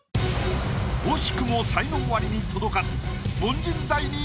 惜しくも才能アリに届かず安藤美姫！